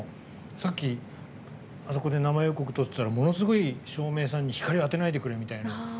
さっき、あそこで生予告撮ってたらものすごい照明さんに光、当てないでくれって。